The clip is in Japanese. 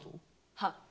はっ。